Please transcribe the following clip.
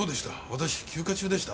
私休暇中でした。